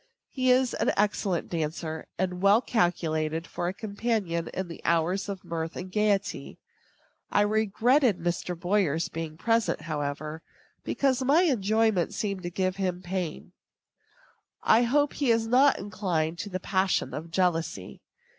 He is an excellent dancer, and well calculated for a companion in the hours of mirth and gayety. I regretted Mr. Boyer's being present, however, because my enjoyment seemed to give him pain. I hope he is not inclined to the passion of jealousy.